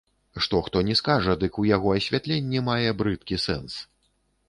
Што хто ні скажа, дык у яго асвятленні мае брыдкі сэнс.